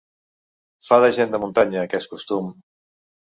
Fa de gent de muntanya, aquest costum.